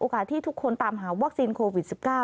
ที่ทุกคนตามหาวัคซีนโควิด๑๙